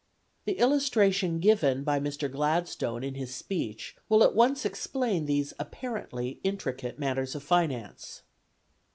The illustration given by Mr. Gladstone in his speech will at once explain these apparently intricate matters of finance.